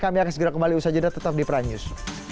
kami akan segera kembali bersama anda tetap di pranews